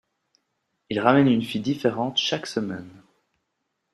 il ramène une fille différente chaque semaine.